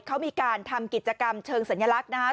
เขามีการทำกิจกรรมเชิงสัญลักษณ์นะครับ